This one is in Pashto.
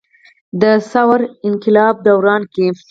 د ثور انقلاب دوران کښې